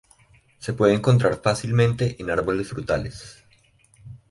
Se puede encontrar fácilmente en árboles frutales.